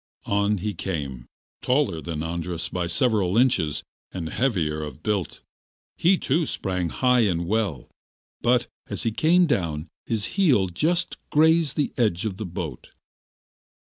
On he came, taller than Andras by several inches, but heavier of build. He too sprang high and well, but as he came down his heel just grazed the edge of the boat.